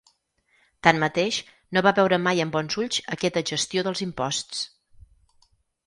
Tanmateix, no va veure mai amb bons ulls aquesta gestió dels imposts.